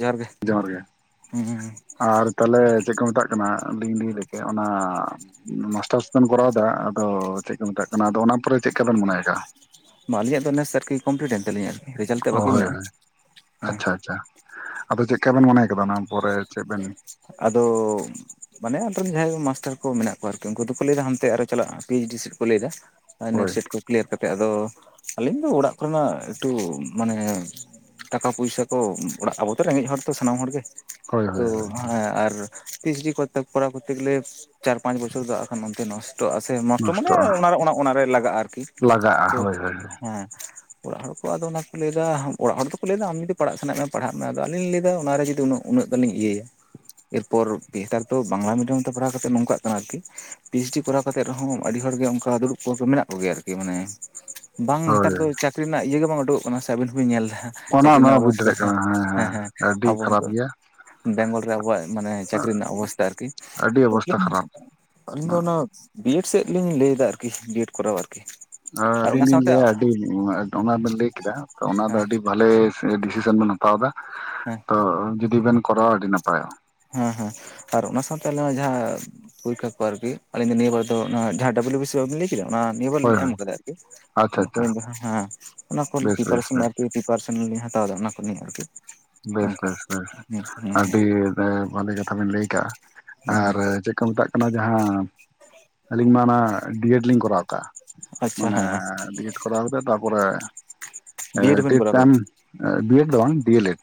ᱡᱚᱦᱟᱨ ᱜᱮ ᱡᱚᱸᱦᱟᱨ ᱜᱮ ᱦᱩᱸ ᱟᱨ ᱛᱟᱦᱞᱮ ᱪᱮᱜ ᱠᱚ ᱢᱮᱛᱟᱜ ᱠᱟᱱᱟ ᱰᱤᱧ ᱰᱤᱧ ᱞᱮᱠᱮ ᱚᱱᱟ, ᱢᱟᱥᱴᱟᱥ ᱵᱮᱱ ᱠᱚᱨᱟᱣ ᱫᱟ ᱟᱫᱚ ᱪᱮᱜ ᱠᱚ ᱢᱮᱛᱟᱜ ᱠᱟᱱᱟ ᱟᱫᱚ ᱚᱱᱟ ᱯᱚᱨᱮ ᱪᱮᱜ ᱠᱟᱵᱮᱱ ᱢᱚᱱᱮ ᱠᱟᱜᱼᱟ? ᱢᱟ ᱟᱹᱞᱤᱧᱟᱜ ᱫᱚ ᱱᱮᱥ ᱟᱨᱠᱤ ᱠᱚᱢᱯᱞᱤᱴ ᱮᱱ ᱛᱟᱹᱞᱤᱧᱟ ᱟᱨᱠᱤ ᱨᱮᱡᱟᱞ ᱛᱮᱜ ᱚ ᱵᱟᱹᱠᱤ ᱦᱳᱭ ᱢᱮᱱᱟᱜᱼᱟ ᱦᱳᱭ ᱦᱩᱸ᱾ ᱟᱪᱪᱷᱟ ᱟᱪᱪᱷᱟ ᱟᱫᱚ ᱪᱮᱜ ᱠᱟ ᱵᱮᱱ ᱢᱚᱱᱮ ᱠᱟᱫᱟ ᱚᱱᱟ ᱯᱚᱨᱮ ᱪᱮᱜ ᱵᱮᱱ ᱟᱫᱚ, ᱢᱟᱱᱮ ᱚᱱᱛᱨᱮᱱ ᱡᱟᱦᱟᱸᱭ ᱢᱟᱥᱴᱟᱨ ᱠᱚ ᱢᱮᱱᱟᱜ ᱠᱚᱣᱟ ᱟᱨᱠᱤ ᱩᱱᱠᱩ ᱫᱚᱠᱚ ᱞᱟᱹᱭᱫᱟ ᱦᱟᱱᱛᱮ ᱟᱨᱚ ᱪᱟᱞᱟᱜᱼᱟ ᱯᱤ ᱮᱭᱤᱪ ᱰᱤ ᱥᱮᱜ ᱠᱚ ᱞᱮᱭ ᱫᱟ᱾ ᱟ ᱱᱮᱴ ᱦᱳᱭ ᱥᱮᱴ ᱠᱚ ᱠᱞᱤᱭᱟᱨ ᱠᱟᱛᱮᱜ ᱟᱫᱚ ᱟᱹᱞᱤᱧ ᱫᱚ ᱚᱲᱟᱜ ᱠᱚᱨᱮᱱᱟᱜ ᱮᱠᱴᱩ ᱢᱟᱱᱮ, ᱴᱟᱠᱟ ᱯᱩᱭᱥᱟᱹ ᱠᱚ ᱚᱲᱟᱜ ᱟᱵᱚᱛᱚ ᱨᱮᱸᱜᱮᱡ ᱦᱚᱲ ᱛᱚ ᱥᱟᱱᱟᱢ ᱦᱚᱲ ᱜᱮ᱾ ᱦᱳᱭ ᱛᱚ ᱦᱳᱭ ᱦᱮᱸ ᱦᱳᱭ, ᱟᱨ ᱯᱤ ᱮᱭᱤᱪ ᱰᱤ ᱠᱚᱨᱛᱮ ᱠᱚᱨᱟᱣ ᱠᱚᱨᱛᱮ ᱜᱮᱞᱮ ᱪᱟᱨ ᱯᱟᱸᱪ ᱵᱚᱪᱷᱚᱨ ᱫᱚ ᱟᱠᱷᱟᱱ ᱚᱱᱛᱮ ᱱᱚᱥ ᱴᱚᱜ-ᱟ ᱥᱮ ᱱᱚᱥᱴᱚ ᱢᱟᱱᱮ ᱱᱚᱥᱴᱚᱜᱼᱟ ᱚᱱᱟ ᱚᱱᱟᱨᱮ ᱞᱟᱜᱟᱜᱼᱟ ᱟᱨᱠᱤ ᱞᱟᱜᱟᱜᱼᱟ ᱛᱚ ᱦᱳᱭ ᱦᱳᱭ ᱦᱮᱸ᱾ ᱚᱲᱟᱜ ᱦᱚᱲ ᱠᱚ ᱟᱫᱚ ᱚᱱᱟ ᱠᱚ ᱞᱟᱹᱭ ᱫᱟ ᱚᱲᱟᱜ ᱦᱚᱲ ᱚᱲᱟᱜ ᱦᱚᱲ ᱠᱚ ᱟᱫᱚ ᱚᱱᱟ ᱠᱚ ᱞᱟᱹᱭ ᱫᱟ ᱚᱲᱟᱜ ᱦᱚᱲ ᱫᱚ ᱠᱚ ᱞᱟᱹᱭ ᱫᱟ ᱟᱢ ᱡᱩᱫᱤ ᱯᱟᱲᱦᱟᱜ ᱥᱟᱱᱟᱭᱮᱫ ᱢᱮᱭᱟ ᱯᱟᱲᱦᱟᱜ ᱢᱮ ᱟᱫᱚ ᱟᱞᱤᱧ ᱞᱤᱧ ᱞᱟᱹᱭ ᱫᱟ ᱚᱱᱟ ᱨᱮ ᱡᱩᱫᱤ ᱩᱱᱟᱹᱜ ᱩᱱᱟᱹᱜ ᱜᱟᱱ ᱤᱧ ᱤᱭᱟᱹᱭᱟ, ᱮᱨᱯᱚᱨ ᱯᱮᱛᱟᱨ ᱛᱚ ᱵᱟᱝᱞᱟ ᱢᱤᱰᱤᱭᱟᱢ ᱛᱮ ᱯᱟᱲᱦᱟᱣ ᱠᱟᱛᱮᱫ ᱱᱚᱝᱠᱟᱜ ᱠᱟᱱᱟ ᱟᱨᱠᱤ ᱯᱤ ᱮᱭᱤᱪ ᱰᱤ ᱠᱚᱨᱟᱣ ᱠᱟᱛᱮ ᱨᱮᱦᱚᱸ ᱟᱹᱰᱤ ᱦᱚᱲ ᱜᱮ ᱚᱫᱠᱟ ᱫᱩᱲᱩᱵ ᱠᱚᱫᱚ ᱢᱮᱱᱟᱜ ᱠᱚᱜᱮᱭᱟ ᱟᱨᱠᱤ ᱢᱟᱱᱮ, ᱵᱟᱝ ᱦᱳᱭ ᱦᱮᱛᱟᱨ ᱫᱚ ᱪᱟᱹᱠᱷᱨᱤ ᱨᱮᱱᱟᱜ ᱤᱭᱟᱹ ᱜᱮ ᱵᱟᱝ ᱳᱰᱳᱠᱚᱜ ᱠᱟᱱᱟ ᱥᱮ ᱟᱵᱤᱱ ᱦᱚᱸᱵᱤᱱ ᱧᱮᱞ ᱫᱟ᱾ ᱚᱱᱟ ᱪᱟᱠᱷᱨᱤ ᱚᱱᱟ ᱨᱮᱱᱟᱜ ᱵᱩᱡᱽ ᱚᱵᱚᱥᱛᱷᱟ ᱫᱟᱲᱮᱭᱟᱜ ᱠᱟᱱᱟ ᱦᱮᱸ ᱦᱮᱸ ᱟᱹᱰᱤ ᱟᱵᱚ ᱠᱷᱟᱨᱟᱯ ᱦᱚᱛᱳ ᱜᱮᱭᱟ ᱵᱮᱝᱜᱚᱞ ᱨᱟᱵᱚᱣᱟᱜ ᱢᱟᱱᱮ ᱪᱟᱠᱷᱨᱤ ᱨᱮᱱᱟᱜ ᱚᱵᱚᱥᱛᱟ ᱟᱨᱠᱤ ᱟᱹᱰᱤ ᱚᱵᱚᱥᱛᱷᱟ ᱠᱷᱟᱨᱟᱯ [inaudible] ᱟᱞᱤᱧ ᱫᱚ ᱚᱱᱟᱹᱜ ᱵᱤᱭᱮᱰ ᱥᱮᱜ ᱜᱮ ᱞᱤᱧ ᱞᱟᱹᱭ ᱫᱟ ᱟᱨᱠᱤ ᱰᱤᱭᱮᱰ ᱠᱚᱨᱟᱣ ᱟᱨᱠᱤ᱾ ᱟ ᱟᱨ ᱟᱹᱞᱤᱧ ᱚᱱᱟ ᱞᱤᱧ ᱥᱟᱶᱛᱮ ᱞᱟᱹᱭᱟ ᱟᱹᱰᱤ [unintelligible] ᱚᱱᱟ ᱵᱮᱱ ᱞᱟᱹᱭ ᱠᱮᱫᱟ ᱛᱚ ᱚᱱᱟ ᱫᱚ ᱦᱮᱸ ᱟᱹᱰᱤ ᱵᱷᱟᱞᱮ ᱰᱤᱥᱤᱥᱮᱱ ᱵᱮᱱ ᱦᱟᱛᱟᱣ ᱫᱟ ᱦᱮᱸ ᱛᱚ ᱡᱩᱫᱤ ᱵᱮᱱ ᱠᱚᱨᱟᱣᱟ ᱟᱹᱰᱤ ᱱᱟᱯᱟᱭᱚᱜᱼᱟ᱾ ᱦᱮᱸ ᱦᱮᱸ ᱟᱨ ᱚᱱᱟ ᱥᱟᱶᱛᱮ ᱟᱞᱮ ᱦᱚᱸ ᱡᱟᱦᱟ, ᱯᱚᱨᱤᱠᱷᱟ ᱠᱚ ᱟᱨᱠᱤ ᱟᱞᱤᱧ ᱫᱚ ᱱᱤᱭᱟᱹ ᱵᱟᱨ ᱫᱚ ᱱᱚᱣᱟ ᱡᱟᱦᱟᱸ ᱰᱟᱵᱞᱤᱭᱩ ᱵᱤᱥᱤ ᱵᱟᱹᱵᱤᱱ ᱞᱟᱹᱭ ᱠᱮᱫᱟ ᱚᱱᱟ ᱱᱤᱭᱟᱹ ᱵᱟᱨ ᱦᱳᱭ ᱞᱤᱧ ᱮᱢ ᱦᱳᱭ ᱠᱟᱫᱟ ᱟᱪᱪᱷᱟ ᱟᱪᱪᱷᱟ [inaudible] ᱡᱟᱸᱦᱟ ᱦᱟᱸ ᱚᱱᱟ ᱠᱚ ᱵᱮᱥ ᱵᱮᱥ ᱯᱤᱯᱟᱨᱮᱥᱚᱱ ᱵᱮᱥ ᱟᱨᱠᱤ ᱯᱤᱯᱟᱨᱮᱥᱚᱱ ᱚᱱᱟ ᱞᱤᱧ ᱦᱟᱛᱟᱣ ᱫᱟ ᱚᱱᱟ ᱠᱚ ᱱᱤᱭᱮ ᱟᱨᱠᱤ᱾ ᱵᱮᱥ ᱚᱱᱠᱟ ᱵᱮᱥ ᱵᱮᱥ ᱦᱮᱸ ᱦᱮᱸ ᱟᱹᱰᱤ ᱮ ᱵᱷᱟᱞᱮ ᱠᱟᱛᱷᱟ ᱵᱮᱱ ᱞᱟᱹᱭ ᱠᱟᱜᱼᱟ ᱦᱮᱸ ᱟᱨ ᱦᱮᱸ ᱪᱮᱫ ᱠᱚ ᱢᱮᱛᱟᱜ ᱠᱟᱱᱟ ᱡᱟᱦᱟᱸ ᱟᱹᱞᱤᱧ ᱢᱟ ᱚᱱᱟ ᱰᱤᱭᱮᱰ ᱞᱤᱧ ᱠᱚᱨᱟᱣ ᱠᱟᱜ-ᱟ ᱟᱪᱪᱷᱟ ᱢᱟᱱᱮ ᱦᱮᱸ ᱰᱤᱭᱮᱰ ᱠᱚᱨᱟᱣ ᱠᱟᱛᱮᱜ ᱛᱟᱯᱚᱨᱮ ᱮ ᱵᱤᱭᱮᱰ ᱵᱮᱱ ᱰᱤᱰ ᱠᱚᱨᱟᱣ ᱠᱟᱫᱟ ᱜᱟᱱ ᱵᱤᱭᱮᱰ ᱫᱚ ᱵᱟᱝ ᱰᱤᱭᱮᱞᱮᱰ᱾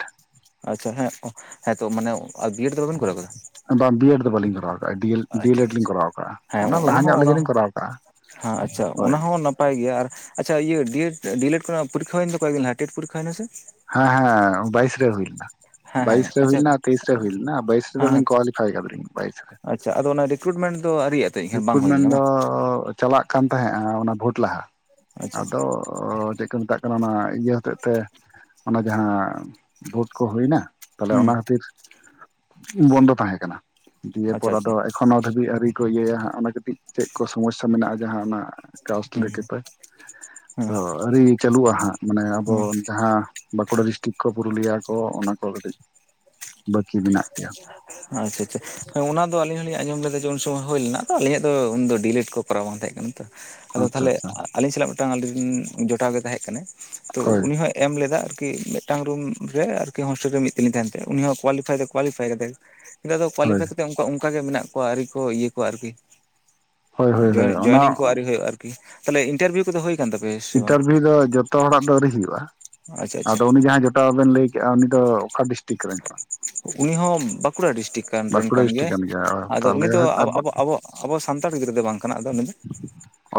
ᱟᱪᱪᱷᱟ ᱦᱮᱸ ᱠᱚᱸ ᱦᱮᱸᱛᱚ ᱢᱟᱱᱮ ᱟ ᱵᱤᱭᱮᱰ ᱫᱚ ᱵᱟᱵᱮᱱ ᱠᱚᱨᱟᱣ ᱠᱟᱫᱟ? ᱟᱵᱟᱝ ᱵᱤᱭᱮᱰ ᱫᱚ ᱵᱟᱞᱤᱧ ᱠᱚᱨᱟᱣ [unintelligible] ᱰᱤ ᱮᱞ ᱰᱤᱭᱮᱞᱮᱰ ᱟᱪᱪᱷᱟ ᱞᱤᱧ ᱟᱪᱪᱷᱟ ᱠᱚᱨᱟᱣ ᱠᱟᱜᱼᱟ ᱚᱱᱟ ᱦᱮᱸ ᱞᱟᱦᱟ ᱦᱚᱸ ᱧᱚᱜ ᱚᱱᱟ ᱨᱮᱜᱮᱞᱤᱧ ᱠᱚᱨᱟᱣ ᱠᱟᱜᱼᱟ ᱦᱳᱭ᱾ ᱯᱟᱭ ᱜᱮᱭᱟ ᱟᱨ ᱟᱪᱪᱷᱟ ᱤᱭᱟᱹ ᱰᱤᱭᱮᱴ ᱰᱤᱭᱮᱞᱮᱴ ᱠᱚᱨᱮᱱᱟᱜ ᱯᱚᱨᱤᱠᱠᱷᱟ ᱦᱩᱭᱮᱱ ᱫᱚ ᱠᱚᱭᱮᱜ ᱫᱤᱱ ᱞᱟᱦᱟ ᱴᱮᱴ ᱯᱚᱨᱤᱠᱷᱟ ᱦᱩᱭ ᱱᱟ ᱥᱮ? ᱦᱮᱸ ᱦᱮᱸ ᱵᱟᱭᱤᱥ ᱨᱮ ᱦᱩᱭ ᱞᱮᱱᱟ᱾ ᱦᱮᱸ ᱦᱮᱸ ᱵᱟᱭᱤᱥ ᱨᱮ ᱟᱪᱪᱷᱟ ᱦᱩᱭ ᱦᱮᱸ ᱞᱮᱱᱟ ᱟᱨ ᱛᱮᱭᱤᱥ ᱨᱮ ᱦᱩᱭᱞᱮᱱᱟ, ᱵᱟᱭᱤᱥ ᱨᱮ ᱫᱚᱞᱤᱧ ᱠᱚᱣᱟᱞᱤᱯᱷᱟᱭ ᱟᱫᱟᱞᱤᱧ ᱵᱟᱭᱤᱥ ᱨᱮ᱾ ᱟᱪᱪᱷᱟ ᱟᱫᱚ ᱚᱱᱟ ᱨᱤᱠᱨᱩᱴᱢᱮᱱᱴ ᱫᱚ ᱟᱣᱨᱤᱭᱟᱜ-ᱟ ᱛᱚ? ᱨᱤᱠᱨᱩᱴᱢᱮᱱᱴ ᱫᱚ ᱪᱟᱞᱟᱜ ᱠᱟᱱ ᱛᱟᱦᱮᱸᱼᱟ ᱚᱱᱟ ᱵᱷᱳᱴ ᱞᱟᱦᱟ ᱟᱪᱪᱷᱟ ᱟᱫᱚ ᱚᱻ ᱪᱮᱫ ᱠᱚ ᱢᱮᱛᱟᱜ ᱠᱟᱱᱟ, ᱚᱱᱟ ᱤᱭᱟᱹ ᱦᱚᱛᱮᱜ ᱛᱮ ᱚᱱᱟ ᱡᱟᱦᱟᱸ ᱵᱷᱳᱴ ᱠᱚ ᱦᱩᱭᱱᱟ ᱛᱟᱦᱞᱮ ᱦᱩᱸ ᱚᱱᱟ ᱠᱷᱟᱹᱛᱤᱨ ᱵᱚᱱᱫᱚ ᱛᱟᱦᱮᱸ ᱠᱟᱱᱟ, ᱟᱪᱪᱷᱟ ᱫᱤᱭᱮᱯᱚᱨ ᱟᱫᱚ ᱟᱪᱪᱷᱟ ᱮᱠᱷᱚᱱ ᱦᱚᱸ ᱫᱷᱟᱹᱵᱤᱡ ᱟᱣᱨᱤ ᱠᱚ ᱤᱭᱟᱹᱭᱟ ᱦᱟᱸᱜ ᱚᱱᱟ ᱠᱟᱹᱴᱤᱡ ᱪᱮᱫ ᱠᱚ ᱥᱚᱢᱚᱥᱥᱟ ᱢᱮᱱᱟᱜᱼᱟ ᱡᱟᱦᱟᱸ ᱚᱱᱟ ᱠᱟᱥᱴ ᱦᱩᱸ ᱦᱩᱸ ᱞᱮᱠᱟᱛᱮ ᱛᱚ ᱟᱹᱣᱨᱤ ᱪᱟᱹᱞᱩᱜᱼᱟ ᱦᱟᱸᱜ ᱢᱟᱱᱮ ᱦᱩᱸ ᱟᱵᱚ ᱡᱟᱦᱟᱸ ᱵᱟᱸᱠᱩᱲᱟ ᱰᱤᱥᱴᱤᱠ ᱠᱚ ᱯᱩᱨᱩᱞᱤᱭᱟ ᱠᱚ ᱚᱱᱟ ᱠᱚ ᱠᱟᱹᱴᱤᱡ ᱵᱟᱹᱠᱤ ᱢᱮᱱᱟᱜ ᱜᱮᱭᱟ᱾ ᱟᱪᱪᱷᱟ ᱟᱪᱪᱷᱟ ᱦᱮᱸ ᱚᱱᱟ ᱫᱚ ᱟᱞᱤᱧ ᱦᱚᱸᱞᱤᱧ ᱟᱸᱡᱚᱢ ᱞᱮᱫᱟ ᱡᱮ ᱩᱱ ᱥᱚᱢᱚᱭ ᱦᱩᱭ ᱞᱮᱱᱟ ᱟᱫᱚ ᱟᱞᱤᱧᱟᱜ ᱫᱚ ᱩᱱ ᱫᱚ ᱰᱤᱭᱮᱞᱮᱴ ᱠᱚ ᱠᱚᱨᱟᱣ ᱵᱟᱝ ᱛᱟᱦᱮᱸ ᱠᱟᱱᱟ᱾ ᱟᱫᱚ ᱟᱪᱪᱷᱟ ᱛᱟᱦᱚᱞᱮ ᱟᱪᱪᱷᱟ ᱟᱹᱞᱤᱧ ᱥᱟᱞᱟᱜ ᱢᱤᱫᱴᱟᱝ ᱟᱞᱤᱧ ᱨᱮᱱ ᱡᱚᱴᱟᱣ ᱜᱮ ᱛᱟᱦᱮᱸᱜ ᱠᱟᱱᱟᱭ ᱛᱚ ᱦᱳᱭ ᱩᱱᱤ ᱦᱚᱸ ᱮᱢ ᱞᱮᱫᱟ ᱟᱨᱠᱤ, ᱢᱤᱫᱴᱟᱝ ᱨᱩᱢ ᱨᱮ ᱟᱨᱠᱤ ᱦᱳᱥᱴᱮᱞ ᱨᱮ ᱢᱤᱫ ᱛᱮᱞᱤᱧ ᱛᱟᱦᱮᱱ ᱛᱮ ᱩᱱᱤ ᱦᱚᱸ ᱠᱳᱣᱟᱞᱤᱯᱷᱟᱭ ᱫᱚ ᱠᱳᱣᱟᱞᱤᱯᱷᱟᱭ ᱠᱟᱫᱟᱭ, ᱱᱮᱛᱟᱨ ᱫᱚ ᱦᱳᱭ ᱠᱳᱣᱟᱞᱤᱯᱷᱟᱭ ᱠᱟᱛᱮᱜ ᱚᱱᱠᱟᱜ ᱜᱮ ᱢᱮᱱᱟᱜ ᱠᱚᱣᱟ ᱟᱹᱣᱨᱤ ᱠᱚ ᱤᱭᱟᱹ ᱠᱚᱣᱟ ᱟᱨᱠᱤ᱾ ᱦᱳᱭ ᱦᱳᱭ ᱦᱳᱭ ᱚᱱᱟ ᱡᱚᱭᱮᱱᱤᱝ ᱠᱚ ᱟᱨᱣᱨᱤ ᱦᱩᱭᱩᱜᱼᱟ ᱟᱨᱠᱤ, ᱛᱟᱞᱦᱮ ᱤᱱᱴᱟᱨᱵᱷᱤᱭᱩ ᱠᱚᱫᱚ ᱦᱩᱭ ᱠᱟᱱ ᱛᱟᱯᱮᱭᱟ ᱥᱮ ᱵᱟᱝ ᱤᱱᱴᱟᱨᱵᱷᱤᱭᱩ ᱫᱚ ᱡᱚᱛᱚ ᱦᱚᱲᱟᱜ ᱫᱚ ᱟᱹᱣᱨᱤ ᱦᱩᱭᱩᱜᱼᱟ, ᱟᱪᱪᱷᱟ ᱟᱪᱪᱷᱟ ᱟᱫᱚ ᱩᱱᱤ ᱡᱟᱦᱟᱸ ᱡᱚᱴᱟᱣ ᱵᱮᱱ ᱞᱟᱹᱭ ᱠᱮᱫᱼᱟ ᱩᱱᱤ ᱫᱚ ᱚᱠᱟ ᱰᱤᱥᱴᱤᱠ ᱨᱮᱱ ᱠᱟᱱᱟ [unintelligible] ᱩᱱᱤ ᱦᱚᱸ ᱵᱟᱸᱠᱩᱲᱟ ᱰᱤᱥᱴᱤᱠ ᱠᱟᱱ ᱨᱮᱱ ᱵᱟᱸᱠᱩᱲᱟ ᱠᱟᱱ ᱰᱤᱥᱴᱤᱠ ᱜᱮᱭᱟᱭ, ᱜᱮᱭᱟ ᱟᱫᱚ ᱩᱱᱤ ᱛᱟᱦᱚᱞᱮ ᱫᱚ ᱟᱵᱚ ᱟᱵᱚ-ᱟᱵᱚ- ᱟᱵᱚᱣᱟᱜ ᱟᱵᱚ ᱥᱟᱱᱛᱟᱲ ᱜᱤᱫᱽᱨᱟᱹ ᱫᱚᱭ ᱵᱟᱝ ᱠᱟᱱᱟ ᱟᱫᱚ ᱩᱱᱤ ᱫᱚ,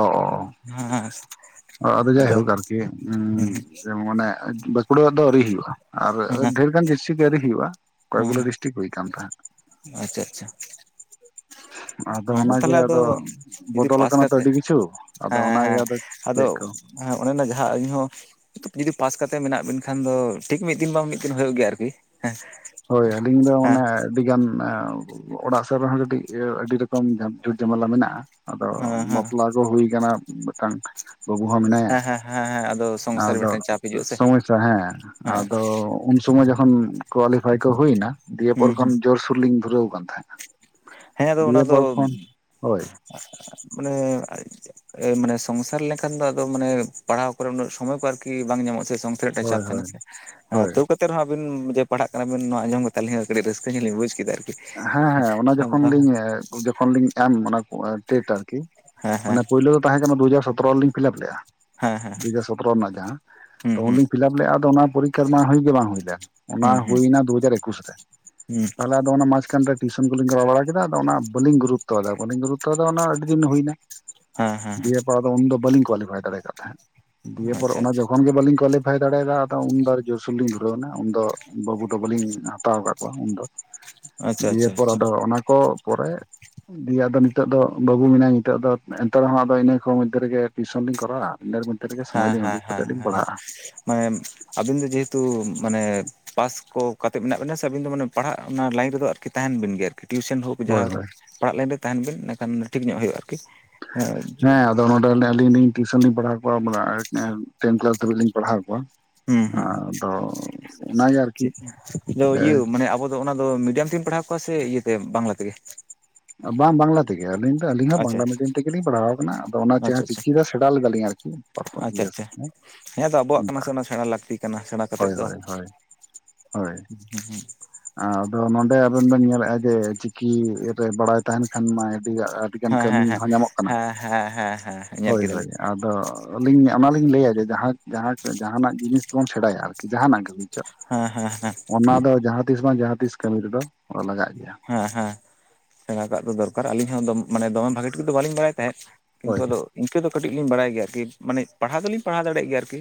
ᱚ ᱚ ᱦᱮᱸ ᱟᱫᱚ ᱡᱟᱭ ᱦᱳᱠ ᱟᱨᱠᱤ᱾ ᱦᱮᱸ ᱡᱮ ᱢᱟᱱᱮ ᱵᱟᱸᱠᱩᱲᱟ [unintelligible] ᱫᱚ ᱟᱹᱣᱨᱤ ᱦᱩᱭᱩᱜᱼᱟ᱾ᱟᱨ ᱦᱮᱸ ᱦᱮᱸ ᱰᱷᱮᱨ ᱜᱟᱱ ᱤᱥ ᱠᱤ ᱟᱹᱣᱨᱤ ᱦᱩᱭᱩᱜᱼᱟ ᱠᱚᱭᱮᱜ ᱜᱩᱞᱟ ᱰᱤᱥᱴᱤᱠ ᱦᱩᱭ ᱟᱠᱟᱱ ᱛᱟᱦᱮᱸᱫ᱾ ᱟᱪᱪᱷᱟ ᱟᱪᱪᱷᱟ᱾ [inaudible] ᱟᱫᱚ ᱦᱮᱸ ᱚᱱᱟᱜᱮ ᱛᱟᱦᱚᱞᱮ ᱟᱫᱚ ᱡᱩᱫᱤ ᱵᱚᱫᱚᱞ ᱯᱟᱥ ᱟᱠᱟᱱᱟ ᱛᱚ ᱠᱟᱛᱮᱫ ᱟᱹᱰᱤ ᱠᱤᱪᱷᱩ ᱟᱫᱚ ᱚᱱᱟᱜᱮ ᱟᱫᱚ ᱪᱮᱫ ᱠᱚ? ᱦᱮ, ᱸ ᱚᱱᱮ ᱚᱱᱟ ᱡᱟᱦᱟᱸ ᱤᱧ ᱦᱚᱸ ᱡᱩᱫᱤ ᱯᱟᱥ ᱠᱟᱛᱮᱫ ᱢᱮᱱᱟᱜ ᱵᱤᱱ ᱠᱷᱟᱱ ᱫᱚ ᱴᱷᱤᱠ ᱢᱤᱫ ᱫᱤᱱ ᱵᱟᱝ ᱢᱤᱫ ᱫᱤᱱ ᱦᱩᱭᱩᱜ ᱜᱮᱭᱟ ᱟᱨᱠᱤ ᱦᱮᱸ᱾ ᱦᱳᱭ ᱟᱹᱞᱤᱧ ᱫᱚ ᱢᱟᱱᱮ ᱟᱹᱰᱤ ᱜᱟᱱ ᱚᱲᱟᱜ ᱥᱮᱫ ᱨᱮᱦᱚᱸ ᱟᱹᱰᱤ ᱟᱹᱰᱤ ᱨᱚᱠᱚᱢ ᱡᱷᱩᱴ ᱡᱷᱟᱢᱮᱞᱟ ᱢᱮᱱᱟᱜᱼᱟ᱾ ᱟᱫᱚ ᱦᱮᱸ ᱦᱮᱸ ᱵᱟᱯᱞᱟ ᱠᱚ ᱦᱩᱭ ᱟᱠᱟᱱᱟ ᱢᱤᱫᱴᱟᱝ ᱵᱟᱹᱵᱩ ᱦᱚᱸ ᱢᱮᱱᱟᱭᱟ᱾ ᱦᱮᱸ ᱦᱮᱸ ᱦᱮᱸ ᱟᱫᱚ ᱥᱚᱝᱥᱟᱨ ᱨᱮ ᱟᱫᱚ ᱢᱤᱫᱴᱟᱝ ᱪᱟᱯ ᱦᱤᱡᱩᱜᱼᱟ ᱥᱮ ᱥᱚᱢᱚᱭᱥᱟ ᱦᱮᱸ ᱦᱮᱸ ᱟᱫᱚ ᱩᱱ ᱥᱚᱢᱚᱭ ᱡᱚᱠᱷᱚᱱ ᱠᱳᱣᱟᱞᱤᱯᱷᱟᱭ ᱠᱚ ᱦᱩᱭᱮᱱᱟ ᱫᱤᱭᱮ ᱯᱚᱨ ᱦᱩᱸ ᱦᱩᱸ ᱠᱷᱚᱱ ᱡᱳᱨᱥᱳᱨ ᱞᱤᱧ ᱫᱷᱩᱨᱟᱹᱣ ᱠᱟᱱ ᱛᱟᱦᱮᱸᱱᱟ᱾ ᱦᱮᱸ ᱟᱫᱚ ᱚᱱᱟ ᱫᱚ ᱫᱤᱭᱮᱯᱚᱨ ᱠᱷᱚᱱ ᱦᱳᱭ ᱢᱟᱱᱮ ᱢᱟᱱᱮ ᱥᱚᱝᱥᱟᱨ ᱞᱮᱱᱠᱷᱟᱱ ᱫᱚ ᱟᱫᱚ ᱢᱟᱱᱮ ᱯᱟᱲᱦᱟᱣ ᱠᱚᱨᱮ ᱩᱱᱟᱹᱜ ᱥᱚᱢᱚᱭ ᱠᱚ ᱟᱨᱠᱤ ᱵᱟᱝ ᱧᱟᱢᱚᱜᱼᱟ ᱥᱮ [unintelligible] ᱦᱳᱭ ᱪᱟᱯ ᱛᱟᱦᱮᱱᱟ ᱦᱳᱭ ᱥᱮ, ᱦᱳᱭ ᱛᱟᱹᱣ ᱮᱱᱛᱮᱨᱮ ᱦᱚ ᱟᱵᱮᱱ ᱡᱮ ᱯᱟᱲᱟᱦᱟᱜ ᱠᱟᱱᱟ ᱵᱤᱱ ᱱᱚᱣᱟ ᱟᱸᱡᱚᱢ ᱠᱟᱛᱮᱜ ᱟᱞᱤᱧ ᱦᱚᱸ ᱠᱟᱹᱴᱤᱡ ᱨᱟᱹᱥᱠᱟᱹ ᱧᱚᱸᱜᱞᱤᱧ ᱵᱩᱡᱽ ᱠᱮᱫᱟ᱾ ᱟᱨᱠᱤ᱾ ᱦᱮᱸ ᱦᱮᱸ ᱚᱱᱟ ᱡᱚᱠᱷᱚᱱ ᱞᱤᱧ ᱡᱚᱠᱷᱚᱱ ᱞᱤᱧ ᱮᱢ ᱚᱱᱟ ᱴᱮᱴ ᱟᱨᱠᱤ᱾ ᱦᱮᱸ ᱢᱟᱱᱮ ᱯᱳᱭᱞᱳ ᱫᱚ ᱛᱟᱦᱮᱸ ᱠᱟᱱᱟ, ᱫᱩ ᱦᱟᱡᱟᱨ ᱥᱚᱛᱨᱚ ᱨᱮᱞᱤᱧ ᱯᱷᱤᱞᱟᱯ ᱞᱮᱜᱼᱟ ᱦᱮᱸ ᱦᱮᱸ ᱾ ᱫᱩ ᱦᱟᱡᱟᱨ ᱥᱚᱛᱨᱚ ᱨᱮᱱᱟᱜ ᱡᱟᱦᱟᱸ ᱦᱩᱸ ᱛᱚ ᱦᱩᱸ ᱩᱱᱞᱤᱧ ᱯᱷᱤᱞᱟᱯ ᱞᱮᱜ ᱟᱫᱚ ᱚᱱᱟ ᱯᱚᱨᱤᱠᱠᱷᱟ ᱢᱟ ᱦᱩᱭ ᱜᱮ ᱵᱟᱝ ᱦᱩᱭ ᱞᱮᱱ, ᱚᱱᱟ ᱦᱩᱸ ᱦᱩᱸ ᱦᱩᱭᱱᱟ ᱫᱩ ᱦᱟᱡᱟᱨ ᱮᱠᱩᱥ ᱨᱮ ᱾ ᱦᱩᱸ ᱛᱟᱦᱚᱞ ᱟᱫᱚ ᱚᱱᱟ ᱢᱟ ᱮᱠᱷᱟᱱ ᱫᱚ ᱴᱤᱭᱥᱚᱱ ᱠᱚᱞᱤᱧ ᱠᱚᱨᱟᱣ ᱵᱟᱲᱟ ᱠᱮᱫᱟ ᱟᱫᱚ ᱚᱱᱟ ᱵᱟᱹᱞᱤᱧ ᱜᱩᱨᱩᱛᱛᱚ ᱟᱫᱟ ᱵᱟᱹᱞᱤᱧ ᱜᱩᱨᱩᱛᱚ ᱟᱫᱟ ᱚᱱᱟ ᱟᱹᱰᱤ ᱫᱤᱱ ᱦᱩᱭᱱᱟ ᱦᱮᱸ ᱦᱮᱸ ᱾ ᱫᱤᱭᱮ ᱯᱚᱨ ᱫᱚ ᱩᱱ ᱫᱚ ᱵᱟᱹᱞᱤᱧ ᱠᱳᱣᱟᱞᱤᱯᱷᱟᱭ ᱫᱟᱲᱮ ᱠᱟᱫ ᱛᱟᱦᱮᱸᱫ, ᱫᱤᱭᱮ ᱯᱚᱨ ᱟᱪᱪᱷᱟ ᱚᱱᱟ ᱡᱚᱠᱷᱚᱱ ᱜᱮ ᱵᱟᱹᱞᱤᱧ ᱠᱳᱣᱟᱞᱤᱯᱷᱟᱭ ᱯᱷᱟᱭ ᱫᱟᱲᱮᱭᱟᱫᱟ ᱟᱫᱚ, ᱩᱱ ᱫᱚ ᱟᱨᱚ ᱡᱳᱨᱥᱩᱨ ᱞᱤᱧ ᱫᱷᱩᱨᱟᱹᱣᱱᱟ, ᱩᱱᱫᱚ ᱵᱟᱹᱵᱩ ᱫᱚ ᱵᱟᱹᱞᱤᱧ ᱦᱟᱛᱟᱣ ᱟᱠᱟᱫ ᱠᱚᱣᱟ ᱩᱱᱫᱚ ᱾ ᱟᱪᱪᱷᱟ ᱫᱤᱭᱮ ᱟᱪᱪᱷᱟ ᱯᱚᱨ ᱟᱪᱪᱷᱟ ᱟᱫᱚ, ᱚᱱᱟ ᱠᱚ ᱯᱚᱨᱮ ᱫᱤᱭᱮ ᱟᱫᱚ ᱱᱤᱛᱚᱜ ᱫᱚ ᱵᱟᱹᱵᱩ ᱢᱮᱱᱟᱭ ᱱᱤᱛᱚᱜ ᱫᱚ, ᱮᱱᱛᱮ ᱨᱮᱦᱚᱸ ᱟᱫᱚ ᱤᱱᱟᱹ ᱠᱚ ᱢᱚᱫᱽᱫᱷᱮ ᱨᱮ ᱜᱮ ᱴᱤᱭᱩᱥᱚᱱ ᱞᱤᱧ ᱠᱚᱨᱟᱣᱟ᱾ [unintelligible] ᱛᱮ ᱨᱮᱜ ᱥᱚᱢᱚᱭ ᱦᱮᱸ ᱞᱤᱧ ᱩᱰᱩ ᱠᱟᱛᱮ ᱦᱮᱸ ᱞᱤᱧ ᱦᱮᱸ ᱦᱮᱸ ᱯᱟᱲᱦᱟᱜᱼᱟ ᱾ ᱢᱟᱱᱮ, ᱟᱵᱤᱱ ᱫᱚ ᱡᱮᱦᱮᱛᱩ ᱢᱟᱱᱮ ᱯᱟᱥ ᱠᱚ ᱠᱟᱛᱮ ᱢᱮᱱᱟᱜ ᱵᱤᱱᱟ ᱥᱮ, ᱟᱹᱵᱤᱱ ᱫᱚ ᱢᱟᱱᱮ ᱯᱟᱲᱦᱟᱜ, ᱚᱱᱟ ᱞᱟᱭᱤᱱ ᱨᱮᱫᱚ ᱟᱨᱠᱤ ᱛᱟᱦᱮᱱ ᱵᱤᱱ ᱜᱮ ᱟᱨᱠᱤ ᱴᱤᱭᱩᱥᱮᱱ ᱦᱳᱠ ᱦᱳᱭ ᱡᱟᱦᱟᱸ ᱦᱳᱭ ᱯᱟᱲᱦᱟᱜ ᱞᱟᱭᱤᱱ ᱨᱮ ᱛᱟᱦᱮᱱ ᱵᱤᱱ, ᱤᱱᱟᱹᱠᱷᱟᱱ ᱴᱷᱤᱠ ᱧᱚᱜ ᱦᱳᱭᱳᱜᱼᱟ ᱟᱨᱠᱤ᱾ᱦᱮ ᱦᱮᱸ ᱟᱫᱚ ᱱᱚᱸᱰᱮ ᱚᱱᱮ ᱟᱹᱞᱤᱧ ᱞᱤᱧ ᱴᱤᱭᱩᱥᱚᱱ ᱞᱤᱧ ᱯᱟᱲᱦᱟᱣ ᱠᱚᱣᱟ, ᱴᱮᱱ ᱠᱮᱞᱟᱥ ᱫᱷᱟᱹᱵᱤᱡ ᱞᱤᱧ ᱯᱟᱲᱦᱟᱣ ᱠᱚᱣᱟ ᱾ ᱦᱩᱸ ᱦᱩᱸ, ᱚᱱᱟᱜᱮ ᱟᱨᱠᱤ ᱪᱮᱫ ᱟᱫᱚ ᱤᱭᱟᱹ ᱢᱟᱱᱮ ᱟᱵᱚ ᱟᱫᱚ ᱚᱱᱟ ᱫᱚ ᱢᱤᱰᱤᱭᱟᱢ ᱛᱮᱢ ᱯᱟᱲᱦᱟᱣ ᱠᱚᱣᱟ ᱥᱮ, ᱤᱭᱟᱹᱛᱮ ᱵᱟᱝᱞᱟ ᱛᱮᱜᱮ? ᱵᱟᱝ, ᱵᱟᱝᱞᱟ ᱛᱮᱜᱮ ᱟᱹᱞᱤᱧ ᱟᱹᱞᱤᱧ ᱦᱚᱸ ᱟᱪᱪᱷᱟ ᱵᱟᱝᱞᱟ ᱢᱤᱰᱤᱭᱟᱢ ᱛᱮᱜᱮᱞᱤᱧ ᱯᱟᱲᱦᱟᱣ ᱟᱠᱟᱱᱟ, ᱟᱫᱚ ᱚᱱᱟ ᱟᱪᱪᱷᱟ ᱪᱮᱦᱟ ᱟᱪᱪᱷᱟ ᱪᱤᱠᱤ ᱫᱚ ᱥᱮᱬᱟ ᱞᱮᱫᱟᱞᱤᱧ ᱟᱨᱠᱤ ᱤᱭᱟᱹ ᱦᱮᱸᱛᱚ ᱟᱵᱚᱣᱟᱜ ᱠᱟᱱᱟ ᱥᱮ, ᱚᱱᱟ ᱥᱮᱬᱟ ᱞᱟᱹᱠᱛᱤ ᱠᱟᱱᱟ, ᱥᱮᱬᱟ ᱠᱟᱛᱮ ᱦᱳᱭ ᱫᱚ ᱦᱳᱭ ᱦᱳᱭ ᱟ ᱟᱫ ᱱᱚᱰᱮ ᱟᱵᱮᱱ ᱵᱮᱱ ᱧᱮᱞᱮᱫᱼᱟ ᱡᱮ, ᱪᱤᱠᱤ ᱨᱮ ᱵᱟᱲᱟᱭ ᱠᱷᱟᱱ ᱢᱟ ᱟᱹᱰᱤ ᱟᱸᱴ ᱟᱹᱰᱤᱜᱟᱱ ᱦᱮᱸ ᱦᱮᱸ ᱠᱟᱹᱢᱤ ᱦᱮᱸ ᱦᱚᱸ ᱧᱟᱢᱚᱜ ᱠᱟᱱᱟ, ᱦᱮᱸ ᱦᱮᱸ ᱦᱮᱸ ᱦᱮᱸ ᱧᱮᱞ ᱦᱳᱭ ᱦᱳᱭ, ᱠᱮᱫᱟᱞᱤᱧ ᱟᱫᱚ ᱟᱹᱞᱤᱧ ᱚᱱᱟ ᱞᱤᱧ ᱞᱟᱹᱭᱟ ᱡᱮ, ᱡᱟᱦᱟᱸᱱᱟᱜ ᱡᱤᱱᱤᱥ ᱵᱚᱱ ᱥᱮᱬᱟᱭᱟ ᱟᱨᱠᱤ ᱡᱟᱦᱟᱸᱱᱟᱜ ᱜᱮ [unintelligible] ᱦᱮᱸ ᱦᱮᱸ ᱦᱮᱸ ᱾ ᱚᱱᱟ ᱫᱚ ᱡᱟᱦᱟᱸ ᱛᱤᱥ ᱵᱟᱝ, ᱡᱟᱦᱟᱸ ᱛᱤᱥ ᱠᱟᱹᱢᱤ ᱨᱮᱫᱚ ᱞᱟᱜᱟᱜ ᱜᱮᱭᱟ ᱾ ᱦᱮᱸ ᱦᱮᱸ, ᱥᱮᱬᱟ ᱠᱟᱜ ᱫᱚ ᱫᱚᱨᱠᱟᱨ, ᱟᱹᱞᱤᱧ ᱦᱚᱸ ᱢᱟᱱᱮ ᱫᱚᱢᱮ ᱵᱷᱟᱜᱤ ᱴᱷᱤᱠ ᱫᱚ ᱵᱟᱹᱞᱤᱧ ᱵᱟᱲᱟᱭ ᱛᱟᱦᱮᱸᱫ ᱾ ᱠᱤᱱᱛᱩ ᱦᱳᱭ ᱟᱫᱚ ᱤᱱᱠᱟᱹ ᱫᱚ ᱠᱟᱹᱴᱤᱡ ᱞᱤᱧ ᱵᱟᱲᱟᱭ ᱜᱮᱭᱟ ᱟᱨᱠᱤ, ᱢᱟᱱᱮ ᱯᱟᱲᱦᱟᱣ ᱫᱚᱞᱤᱧ ᱯᱟᱲᱦᱟᱣ ᱫᱟᱲᱮᱭᱟᱜ ᱜᱮᱭᱟ ᱟᱨᱠᱤ᱾